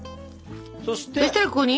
そしたらここに？